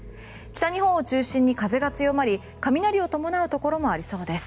北日本を中心に風が強まり雷を伴うところもありそうです。